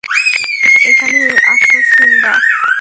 এখানে আসো, সিম্বা!